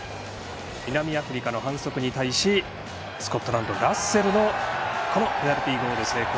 南アフリカの反則に対しスコットランド、ラッセルのこのペナルティーゴール成功。